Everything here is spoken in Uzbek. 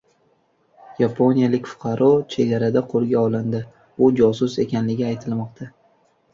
Yaponiyalik fuqaro chegarada qo‘lga olindi. U josus ekanligi aytilmoqda